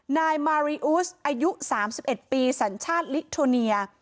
นายมาริอุสอายุ๓๑ปีสัญชาติลิโทเนีย